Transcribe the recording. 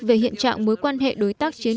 về hiện trạng mối quan hệ đối tác chiến